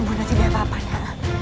bunda tidak apa apa ananda